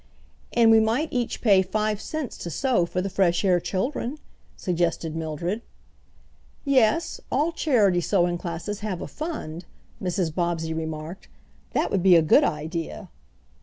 "And we might each pay five cents to sew for the fresh air children," suggested Mildred. "Yes, all charity sewing classes have a fund," Mrs. Bobbsey remarked. "That would be a good idea."